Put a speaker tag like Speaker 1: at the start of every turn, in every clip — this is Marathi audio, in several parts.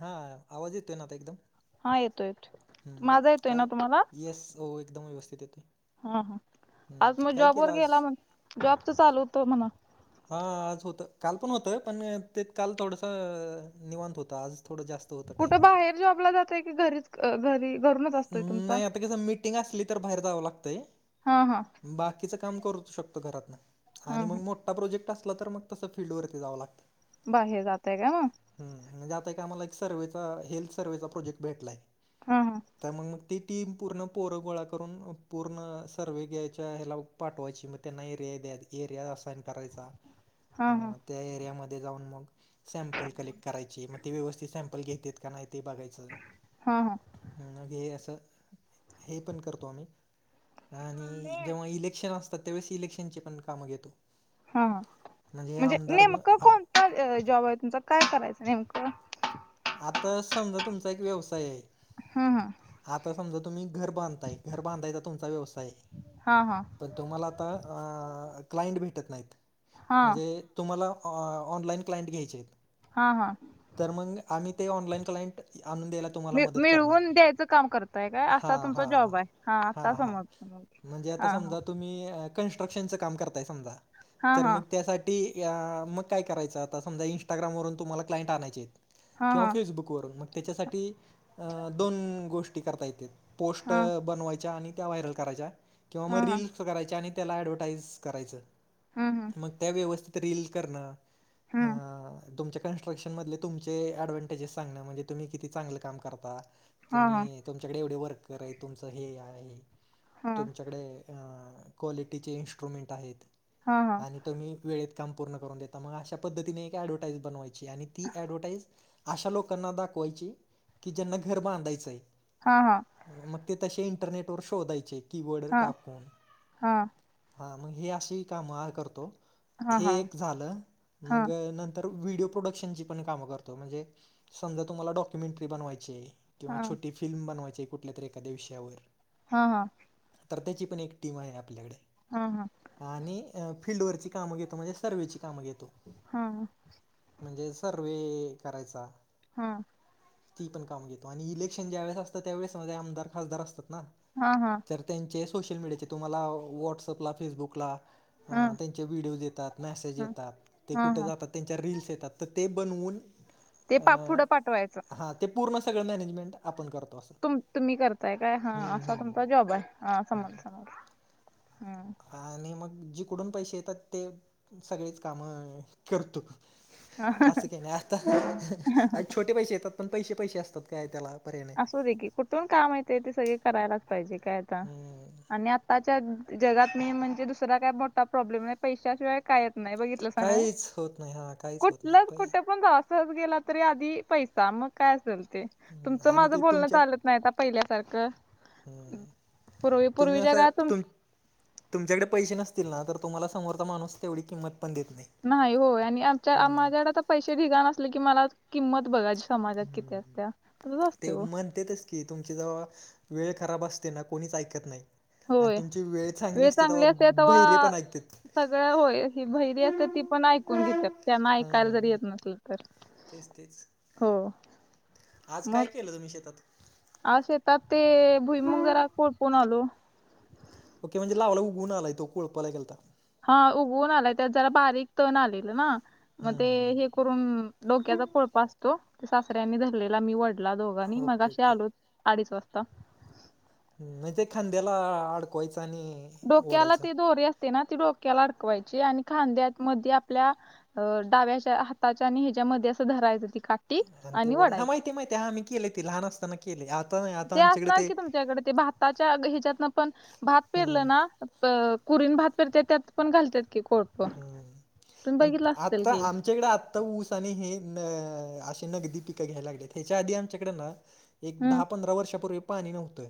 Speaker 1: हा, आवाज येतोय ना आता एकदम?
Speaker 2: हा येतोय येतोय.
Speaker 1: हं
Speaker 2: माझा येतोय ना
Speaker 1: काय
Speaker 2: तुम्हाला?
Speaker 1: येस हो एकदम व्यवस्थित येतोय.
Speaker 2: हा हा.
Speaker 1: हं
Speaker 2: आज मग
Speaker 1: काय
Speaker 2: जॉब
Speaker 1: केलं
Speaker 2: वर
Speaker 1: आज
Speaker 2: गेला म्हण, जॉबच चालू होतं म्हणा.
Speaker 1: हा आज होतं, कालपण होतं पण ते काल थोडसं निवांत होतं. आज थोडं जास्
Speaker 2: कुठं बाहेर जॉबला जाताय, की घरीच घरी घरूनच असतं?
Speaker 1: नाही आता कस हाय, मीटिंग असली तर बाहेर जावं लागतंय.
Speaker 2: हां हां.
Speaker 1: बाकीच काम करूच शकतो घरातनं
Speaker 2: हा
Speaker 1: आणि
Speaker 2: हा
Speaker 1: मग मो ठा प्रोजेक्ट असला, तर मग तसं फीलल्डवरती जावं लागतंय.
Speaker 2: बाहेर जाताय का मग?
Speaker 1: हम म्हणजे आता एक आम्हाला एक सर्वेचा, हेल्थ सर्वेचा प्रोजेक्ट भेटलाय.
Speaker 2: हां हां.
Speaker 1: त्यामुळं ती टीम पूर्ण पोर गोळा करून, पूर्ण सर्वे घ्यायच्या ह्याला पाठवायची. मग त्यांना एरिया द्या एरिया असाइन करायचा.
Speaker 2: हा हा.
Speaker 1: अं, त्या एरियामध्ये जाऊन मग सॅम्पल कलेक्ट करायचे. मग ते व्यवस्थित सॅम्पल घेतेत का नाही ते बघायचे.
Speaker 2: हा हा.
Speaker 1: म्हणजे हे असं, हे पण करतो आम्ही. आणि जेव्हा इलेक्शन असतात, त्यावेळेस इलेक्शनची पण कामं घेतो.
Speaker 2: हा हा
Speaker 1: हे
Speaker 2: म्हणजे
Speaker 1: आमदार
Speaker 2: नेमकं
Speaker 1: आ-
Speaker 2: कोणता जॉब आहे तुमचा, काय करायचं नेमकं?
Speaker 1: आता समजा, तुमचा एक व्यवसाय आहे.
Speaker 2: हं हं.
Speaker 1: आता समजा, तुम्ही घर बांधताय. घर बांधायचा तुमचा व्यवसाय आहे.
Speaker 2: हा हा
Speaker 1: तर तुम्हाला आता अ क्लाइंट भेटत नाहीत.
Speaker 2: हा
Speaker 1: म्हणजे तुम्हाला ऑनलाईन क्लाइंट घ्यायचे आहेत.
Speaker 2: हा हा.
Speaker 1: तर मग आम्ही ते ऑनलाइन क्लायंट आणून द्यायला तुम्हाला
Speaker 2: मि
Speaker 1: मदत करणार.
Speaker 2: मिळवून द्यायचं काम करताय काय
Speaker 1: हा
Speaker 2: असा तुमचा
Speaker 1: हा हा
Speaker 2: जॉब आहे
Speaker 1: हा
Speaker 2: आता
Speaker 1: हा.
Speaker 2: समजत मग
Speaker 1: म्हणजे आता
Speaker 2: हा हा
Speaker 1: समजा तुम्ही कन्स्ट्रक्शनचं काम करताय समजा.
Speaker 2: हा
Speaker 1: तर
Speaker 2: हा
Speaker 1: मग त्यासाठी ती या मग काय करायचं? आता समजा, इंस्टाग्राम वरून तुम्हाला क्लाइंट आणायचे आहेत
Speaker 2: हा
Speaker 1: किंवा फेसबुकवरून मग त्याच्यासाठी दोन गोष्टी करता येते पोस्ट
Speaker 2: हा
Speaker 1: बनवायच्या आणि त्या व्हायरल करायच्या किंवा
Speaker 2: हा
Speaker 1: मग
Speaker 2: हा
Speaker 1: रिल्स करायच्या आणि त्याला ऍडव्हटाईज करायचं.
Speaker 2: हं हं.
Speaker 1: मग त्या व्यवस्थित रेल करणं,
Speaker 2: हं.
Speaker 1: तुमच्या कन्स्ट्रक्ट मधले तुमचे एडव्हनटेजेस सांगणं. म्हणजे तुम्ही किती चांगलं काम करता.
Speaker 2: हां, हां.
Speaker 1: तुम्ही तुमच्याकडे एवढे वर्कर आहे तुमच हे आहे.
Speaker 2: हां.
Speaker 1: चा कडे क्वालिटीचे इन्स्ट्रुमेंट आहेत
Speaker 2: हां, हां.
Speaker 1: आणि तुम्ही वेळेत काम पूर्ण करून देता मग अशा पद्धतीने एक एडवर्टाइज बनवायची आणि ती एडव्हर्टाइस अशा लोकांना दाखवायची की ज्यांना घर बांधायचंय
Speaker 2: हा हा.
Speaker 1: मग ते तशे इंटरनेटवर शोधायचे कीबोर्ड
Speaker 2: हां,
Speaker 1: टाकून.
Speaker 2: हां.
Speaker 1: हा मग ही अशी कमाळ करतो
Speaker 2: हां,
Speaker 1: हे
Speaker 2: हां.
Speaker 1: एक झालं मंग
Speaker 2: हां,
Speaker 1: नं तर व्हिडिओ प्रोडक्शनची पण काम करतो म्हणजे समजा तुम्हाला डॉक्युमेंटरी बनवायचे किंवा
Speaker 2: हां.
Speaker 1: छोटी फिल्म बनवायचे कुठले तरी एखाद्या विषयावर
Speaker 2: हा हा.
Speaker 1: तर त्याची पण एक टीम आहे आपल्याकडे
Speaker 2: हां, हां.
Speaker 1: आणि फिल्डवरची कामं घेतो म्हणजे सर्वेची कामं घेतो.
Speaker 2: हा.
Speaker 1: म्हणजे सर्वे करायचा.
Speaker 2: हा.
Speaker 1: ती पण काम घेतो आणि इलेक्शन ज्या वेळेस असतं त्यावेेळेस स मझे आमदार खासदार असतात ना.
Speaker 2: हा हा.
Speaker 1: तर त्यांचे सोशल मीडियाचे तुम्हाला व्हाट्सअप ला फेसबुक ला हा
Speaker 2: हं,
Speaker 1: त्यांचे व्हिडिओज येतात, मॅसेज
Speaker 2: हं.
Speaker 1: येतात ते
Speaker 2: हां,
Speaker 1: कुठं
Speaker 2: हां.
Speaker 1: जातात त्यांच्या रिल्स येतात तर ते बनवून
Speaker 2: ते
Speaker 1: अ,
Speaker 2: पा पुढं पाठवायचं.
Speaker 1: हां ते पूर्ण सगळं मॅनेजमेंट आपण करतो असं.
Speaker 2: तुम तुम्ही करताय काय हा
Speaker 1: हम्म
Speaker 2: असा
Speaker 1: हम्म
Speaker 2: तुमचा जॉब आहे हा समोर समोर हां.
Speaker 1: आणि मग जिकडून पैशे येतात ते सगळेच कामं करतो. असं के नाही आता. छोटे पैशे येतात पण पैशे पैशे असतात काय त्याला पर्यंत
Speaker 2: असू दे की कुठून काम येते ते सगळे करायलाच पाहिजे काय आता
Speaker 1: हम्म
Speaker 2: आणि आ ताच्या जगात मे म्हणजे दुसरा काय मोठा प्रॉब्लेम नाही पैशा शिवाय काय येत नाही बघित
Speaker 1: काहीच होत नाही हा काहीच होत नाही
Speaker 2: कुठलं
Speaker 1: पहि
Speaker 2: कुठं पण जा चाच गेला तरी आधी पैसा मग काय असेल ते. तुमचं
Speaker 1: आणि
Speaker 2: माझं
Speaker 1: ते
Speaker 2: बोलणं चालत नाही आता पहिल्यासारखं.
Speaker 1: हम्म
Speaker 2: पूर्वी
Speaker 1: तुम्ही
Speaker 2: पूर्वीच्या
Speaker 1: असं
Speaker 2: काळात
Speaker 1: तुम तुमच्याकडे पैशे नसतील ना तर तुम्हा समोरचा माणूस तेवढी किंमत पण देत नाही.
Speaker 2: नाही होय आणि आमच्या
Speaker 1: हा
Speaker 2: माझ्याकड आता पैशे ढिगाणसले की मला किंमत बघायची समाजात किती असत्या तसचं असते ओ.
Speaker 1: कि तुमची जवा वेळ खराब असते ना कोणीच ऐकत नाही आणि
Speaker 2: होय
Speaker 1: तुमची वेळ चांगली असते तेव्हा बहिरे पण ऐकतेत.
Speaker 2: सगळ होय ही बहिरी असते ती पण ऐकून घेते. त्यांना
Speaker 1: हा
Speaker 2: ऐकायला जरी येत नसलं तर
Speaker 1: तेच तेच
Speaker 2: हो.
Speaker 1: आज
Speaker 2: मग
Speaker 1: काय केलं तुम्ही शेतात?
Speaker 2: आज शेतात ते भुईमुग जरा कोडपून आलो.
Speaker 1: ओके म्हणजे लावला उगून आलाय तो कोळपाला गेलता.
Speaker 2: हा उगवून आलाय त्यात जरा बारीक तण आलेल ना मग
Speaker 1: हम्म
Speaker 2: ते
Speaker 1: हम्म
Speaker 2: हे करून डोक्याचा पोळपा असतो, ते सासऱ्यांनी धरलेला. मी वडला दोघांनी
Speaker 1: हम्म. ओके
Speaker 2: मगाशी
Speaker 1: ओके
Speaker 2: आलो. अडीच वाजता.
Speaker 1: म ते खांद्याला अडकवायचं आणि
Speaker 2: डोक्याला
Speaker 1: ओढायचं
Speaker 2: ती दोरी असते ना, ती डोक्याला अडकवायची आणि खांद्यात मधी आपल्या अ डाव्याच्या हाताच्या आणि ह्याच्यामध्ये असं धरायचं ती का
Speaker 1: आणि तेवढ्या हा माहिती माहिती हा आम्ही केले ती लहान असताना केले आता नाय
Speaker 2: ते असणार की तुमच्याकडे ते भाताच्या ह्याच्यातनं पण भात
Speaker 1: हम्म
Speaker 2: पेरलं ना त कुरीन भात पेरते त्यात पण घालतात की कोळप
Speaker 1: हम्म
Speaker 2: तुम्ही
Speaker 1: आम-
Speaker 2: बघितलं असतील
Speaker 1: आता
Speaker 2: की.
Speaker 1: आमच्याकडे आत्ता ऊस आणि हे न असे नगदी पिकं घ्यायला लागलेत. ह्याच्या आधी आमच्याकडं ना एक
Speaker 2: हम्म
Speaker 1: दहा, पंधरा वर्षापूर्वी पाणी नव्हतं.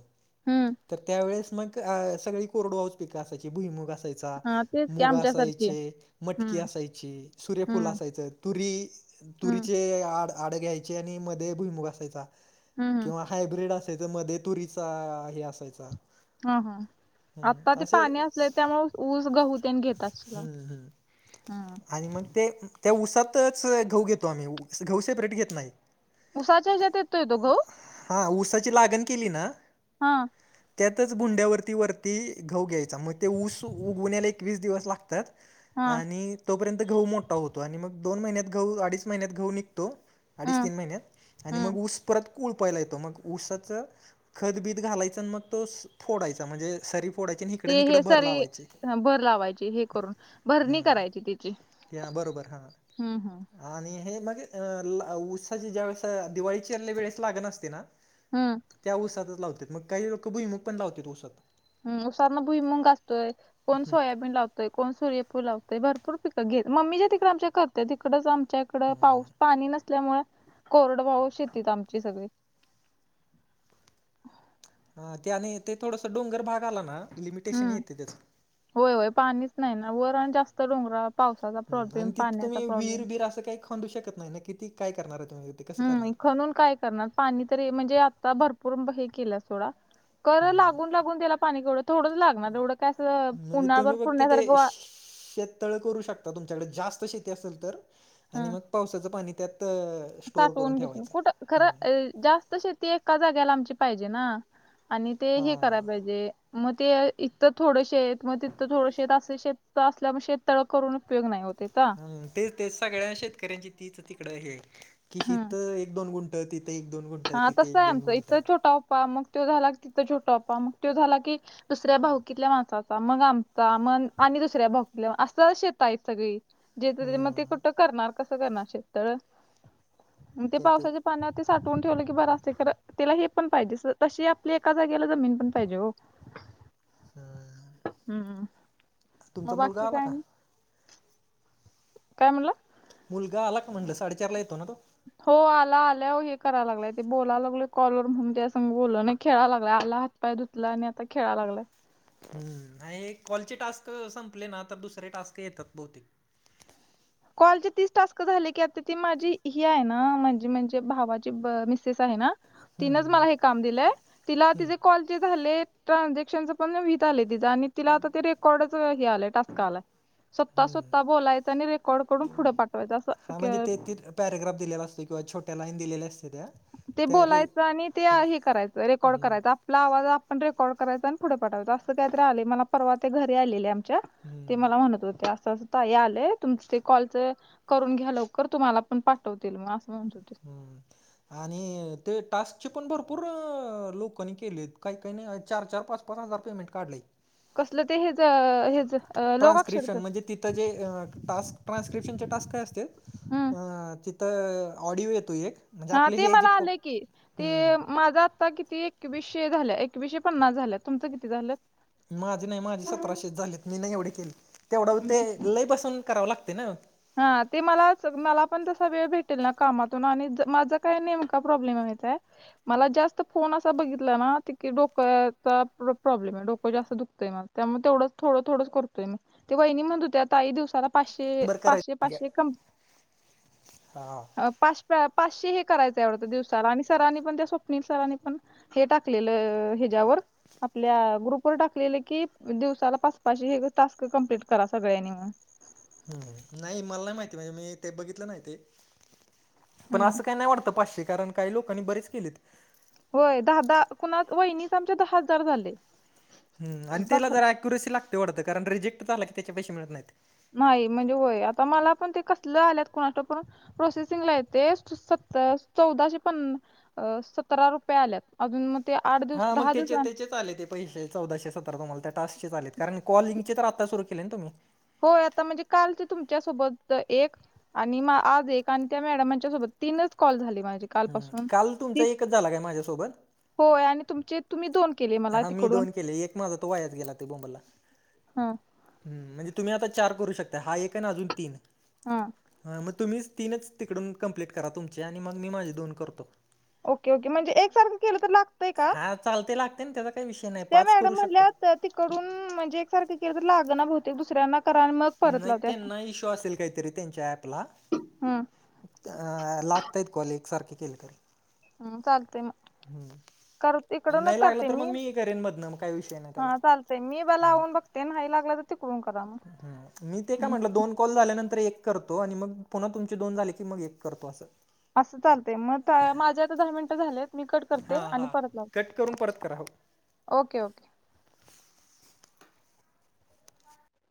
Speaker 2: हम्म
Speaker 1: तर त्यावेेळेस मग सगळी कोरडवाहूच पिक असायची. भुईमुग असायचा,
Speaker 2: हा तेच की
Speaker 1: मुग असाय
Speaker 2: आमच्यासारखी
Speaker 1: चे, मटकी
Speaker 2: हम्म
Speaker 1: असायची, सूर्यफुल
Speaker 2: हम्म
Speaker 1: असायचं, तुरी
Speaker 2: हम्म
Speaker 1: तुरीचे आड आड घ्यायचे आणि मध्ये भुईमुख असायचा.
Speaker 2: हम्म हम्म
Speaker 1: किंवा हायब्रीड असायचं. मध्ये तुरीचा हे असायचा
Speaker 2: हा हा, आत्ता
Speaker 1: हम्म
Speaker 2: ते
Speaker 1: असे
Speaker 2: पाणी असल्याच्या मुळं ऊस, गहू तेन घेतात.
Speaker 1: हम्म हम्म आणि मग ते त्या ऊसातच घऊ घेतो आम्ही. घऊ सेपरेट घेत नाही.
Speaker 2: उसाच्या ह्याज्यात येतोय तो घऊ?
Speaker 1: हा, ऊसाची लागण केली ना
Speaker 2: हा.
Speaker 1: त्यातच भुंड्यावरती वरती घऊ घ्यायचा. मग ते ऊस उगवण्याला एकवीस दिवस लागतात.
Speaker 2: हा
Speaker 1: आणि तोपर्यंत घऊ मोठा होतो आणि मग दोन महिन्यात गहु अडीच महिन्यात घऊ निघतो. अडीच
Speaker 2: हम्म
Speaker 1: तीन महिन्यात. आणि
Speaker 2: हम्म
Speaker 1: मग ऊस परत कूळपायला येतो. मग ऊसाचं खत बीत घालायचं आणि मग तो फोडायचा. म्हणजे सरीत
Speaker 2: ते हे सरी भर लावायचे हे करून, भरणी करायची तिची.
Speaker 1: या बरोबर हां.
Speaker 2: हम्म हम्म.
Speaker 1: आणि हे मग उसाचे ज्यावेळेस दिवाळीचील्या वेळेस लागण असते ना
Speaker 2: हं.
Speaker 1: त्या ऊसातच लावतो, मग काही लोकं भुईमग पण लावत्यात उसात.
Speaker 2: हम उसातनं भुईमुंग असतंय. कोण सोयाबीन लाव तंय, कोण सूर्यफुल लावतंय. भरपूर पिकं घेत. मम्मीच्या तिकडं आमच्या करत्यात. इकडंच आम च्याकडं पाऊ पाणी नसल्यामुळं कोरडवाहू शेती हाईत आमची सगळी.
Speaker 1: हा ते आणि ते थोडसं डोंगरभाग आला ना, लिमिटेशन
Speaker 2: हम्म
Speaker 1: येतंय त्याचं.
Speaker 2: होय होय पाणीच नाही ना, वर आणि जास्त डोंगरा
Speaker 1: ह आणि तिथं तुम्ही विहीर बीर असं काही खांदू शकत नाही ना. किती काय करणार आहे तुम्ही? ते कसं
Speaker 2: हम्म
Speaker 1: करणार
Speaker 2: खणून काय करणार, पाणी तरी म्हणजे आता भरपूर हे केल्यात सोडा. करं लागून लागून त्याला पाणी तेवढं थोडंच लागणार. एवढं काय अस
Speaker 1: म्हणजे
Speaker 2: उन्हाळ्याभर पुरण्यासारखं
Speaker 1: तळ करू शकता तुमच्याकडे जास्त शेती असेल तर. आणि
Speaker 2: हं
Speaker 1: मग पावसाचं पाणी त्यात स्टोअर करून
Speaker 2: साठवून घेतो.
Speaker 1: ठेवायचं
Speaker 2: कुठं खरं
Speaker 1: हा
Speaker 2: अ जास्त शेती एका जाग्याला आमची पाहिजे ना आणि ते हे कराय
Speaker 1: हा
Speaker 2: पाहिजे. मग ते इथं थोड शेत, मग तिथं थोडं शेत असे शेत असल्या म शेत तळ करून उपयोग नाही हो तेचा.
Speaker 1: हं तेच तेच सगळ्या शेतकऱ्यांची तीच तिकडं हे, की
Speaker 2: हम्म
Speaker 1: हितं एक दोन गुं ट, तिथे एक दोन गुं
Speaker 2: हा तसं आहे आमचं. इथं छोटा ओपा, मग त्यो झाला की तिथं छोटा ओपा. मग त्यो झाला की दुसऱ्या भाऊकीतल्या माणसाचा. मग आमचा, मग आणि दुसऱ्या भाऊकील्या असं शेतं आहेत सगळी. जेंच तेच मग ते
Speaker 1: हम्म
Speaker 2: कुठं करणार, कसं करणार शेततळ? मग ते पावसाच्या पाण्यावरतीच ऊ ठवून ठेवलं की बर असतंय खरं तेला हेपण पाहिजे, स तशी आपली एका जाग्याला जमीन पण पाहिजे हो.
Speaker 1: हम्म
Speaker 2: हम्म हम्म,
Speaker 1: तुमचा
Speaker 2: मग बाकी
Speaker 1: मुलगा आला
Speaker 2: काय
Speaker 1: का
Speaker 2: आणि? काय म्हणला?
Speaker 1: मुलगा आला का म्हणलं, साडेचारला येतो ना तो?
Speaker 2: हो आला आल्या हो हे कराय लागलाय ते बोलाय लागलोय कॉलवर म्हणून तेज्या संग बोललो नाही. खेळाय लागलाय, आला पाय धुतला आणि आता खेळाय लागलाय.
Speaker 1: हम्म आणि कॉलचे टास्क संपले ना, तर दुसरे टास्क येतात बहुतेक.
Speaker 2: कॉलचे तीस टास्क झाले की. आता ती माझी ही आहे ना, माझी म्हणजे भावाची मिसेस आहे ना
Speaker 1: हम्म
Speaker 2: तीनच
Speaker 1: हम्म
Speaker 2: मला
Speaker 1: हम्म
Speaker 2: हे काम दिलंय. तिला
Speaker 1: हम्म
Speaker 2: तिजे कॉलचे झाले ट्रांजेक्शनचं पण व्हित आलंय तिचं आणि तिला आता ते रेकॉर्डच हे आलंय टास्क आलाय. स्वत
Speaker 1: हम्म
Speaker 2: स्वतः बोलायच आणि रे [unintelligible] पुढं पाठवायचं असं के
Speaker 1: तिथं पॅराग्राफ दिलेला असतोय किंवा छोट्या लाईन दिलेल्या असते त्या
Speaker 2: ते
Speaker 1: त्या रे
Speaker 2: बोलायचं आणि ते हे करायच रेकॉर्ड
Speaker 1: हम्म
Speaker 2: करायचं आपला आवाज आपण रेकॉर्ड करायचा आणि पुढे पाठायचं असं काहीतरी आलेय. मला परवा ते घरी आलेले आमच्या. ते
Speaker 1: हम्म
Speaker 2: मला म्हणत होत्या असं असं ताई आलंय. तुमचं ते कॉल करून घ्या लवकर तुम्हाला पण पाठवतील मग असं म्हणत होते. [inaudible]
Speaker 1: आणि ते टास्कचे पण भरपूर अं लोकांनी केलेत. काही काहींनी चार चार, पाच पाच हजार पेमेंट काढलंय.
Speaker 2: कसलं ते हेज हेज लोक आक्षरचं?
Speaker 1: ते जे अ टास्क ट्रान्स्क्रिप्शनचे टास्क काय असते?
Speaker 2: हम्म
Speaker 1: अं तिथं ऑडिओ येतो एक म्हणजे
Speaker 2: हा
Speaker 1: आपले
Speaker 2: ते
Speaker 1: हे जे
Speaker 2: मला
Speaker 1: को
Speaker 2: आलंय की.
Speaker 1: हम्म
Speaker 2: ते माझा आता किती एकवीसशे झाल्या एकवीसशे पन्नास झाल्यात. तुमचं किती झालेत?
Speaker 1: माझे नाही माझे सतराशेछ झालेत. मी नाही एवढे केले. तेवढं ते लई बसून करावं लागते ना.
Speaker 2: हा ते मलाच मला पण तसा वेळ भेटेल ना कामातून आणि माझं काय नेमका प्रॉब्लेम हाय माहितेय? मला जास्त फोन असा बघितला ना, ते की डोक्याचा प्रॉब्लेम आहे डोकं जास्त दुखतंय माझं. त्यामुळे तेवढंच थोडं थोडंच करतोय मी. ते वहिनी म्हणत होत्या ताई दिवसाला पाचशे
Speaker 1: बरं
Speaker 2: पाचशे
Speaker 1: करायचं घ्या
Speaker 2: पाचशे क
Speaker 1: हा
Speaker 2: अ पाच पाचशे हे करायचं आहे वाटतं दिवसाला आणि सरांनी पण त्या स्वप्नील सरांनी पण हे टाकलेलं हेज्यावर आपल्या ग्रुपवर टाकलेलं की, दिवसाला पाच पाचशे हे टास्क कम्प्लीट करा सगळ्यांनी म्हणून.
Speaker 1: हम्म नाही मला नाही माहिती म्हणजे मी ते बघितलं नाही ते. पण
Speaker 2: हम्म
Speaker 1: असं काही नाही वाटतं पाचशे कारण, काही लोकांनी बरेच केलेत.
Speaker 2: होय दहा दहा कुणात वहिनीच आमच्या दहा हजार झाले.
Speaker 1: हम आणि त्याला
Speaker 2: दहा
Speaker 1: जर ऍक्युरेन्सी लागते वाटतं, कारण रिजेक्ट झाला की त्याचे पैसे मिळत नाहीत.
Speaker 2: नाही म्हणजे होय. आता मला पण ते कसलं आल्यात कुणास ठाऊक पण प्रोसेसिंगला आहेत ते सत चौदाशे पन सतरा रुपये आल्यात. अजून मग ते आठ दिवस
Speaker 1: हा मग
Speaker 2: दहा
Speaker 1: त्याच्यात
Speaker 2: दिवस
Speaker 1: त्याचे च आले ते पैसे चौदाशे सतरा तुम्हाला त्या टास्कचेच आलेत, कारण काॅलींगचे तर आता सुरु केले ना तुम्ही?
Speaker 2: होय आता म्हणजे कालचे तुमच्यासोबत एक आणि आज एक आणि त्या मॅडमांच्या सोबत तीनच कॉल झाले माझे.
Speaker 1: हं.
Speaker 2: कालपासून
Speaker 1: काल
Speaker 2: ती
Speaker 1: तुमचा एकच झाला काय माझ्यासोबत?
Speaker 2: होय आणि तुमचे तुम्ही दोन केले. मला
Speaker 1: हा मी
Speaker 2: तिकडून
Speaker 1: दोन केले. एक माझा तो वायाच गेला ते बोंबलला.
Speaker 2: हम्म.
Speaker 1: हम्म म्हणजे तुम्ही आता चार करू शकता हा एक आणि अजून तीन.
Speaker 2: हा
Speaker 1: मग तुम्हीच तीनच तिकडून कंप्लीट करा तुमचे आणि मग मी माझे दोन करतो.
Speaker 2: ओके ओके म्हणजे एकसारखं केलं तर लागतंय का?
Speaker 1: चालतंय लागते ना त्याचा काय विष
Speaker 2: त्या मॅडम म्हणल्यात तिकडून म्हणजे एकसारखं केलं तर लागना बहुतेक. दुसऱ्यांना करा आणि मग परत
Speaker 1: नाही
Speaker 2: लावते असं
Speaker 1: त्यांना इशू असेल काहीतरी त्यांच्या ऍपला.
Speaker 2: हम्म
Speaker 1: अ लागतायेत कॉल एकसारखे केले तरी.
Speaker 2: हम्म, चालतंय मग.
Speaker 1: हम्म.
Speaker 2: कर
Speaker 1: आणि
Speaker 2: इकडूनच
Speaker 1: नाही
Speaker 2: करते
Speaker 1: लागलं, तर मग मी हे करेन मधनं मग काही विषय नाही त्याला.
Speaker 2: ते नाही लागला तर फोन करा मग.
Speaker 1: हम्म. मी ते का म्हटलं दोन कॉल झाल्यानंतर एक करतो आणि मग पुन्हा तुमचे दोन झाले की मग एक करतो असं.
Speaker 2: असं चालतेय, मग माझे आता दहा मिनिटं झालेत मी कट करते
Speaker 1: हां
Speaker 2: आणि
Speaker 1: हां
Speaker 2: परत लावते.
Speaker 1: कट करून परत करा हो.
Speaker 2: Okay, okay.